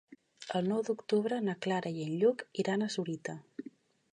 El nou d'octubre na Clara i en Lluc iran a Sorita.